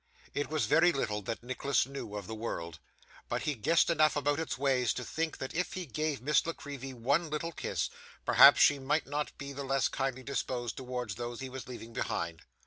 It was very little that Nicholas knew of the world, but he guessed enough about its ways to think, that if he gave Miss La Creevy one little kiss, perhaps she might not be the less kindly disposed towards those he was leaving behind.